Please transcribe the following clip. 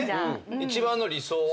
一番の理想は？